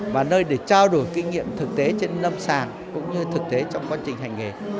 và nơi để trao đổi kinh nghiệm thực tế trên lâm sàng cũng như thực tế trong quá trình hành nghề